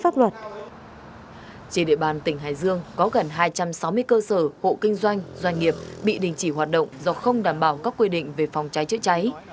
trên địa bàn tỉnh hải dương có gần hai trăm sáu mươi cơ sở hộ kinh doanh doanh nghiệp bị đình chỉ hoạt động do không đảm bảo các quy định về phòng cháy chữa cháy